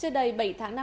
trên đây bảy tháng mươi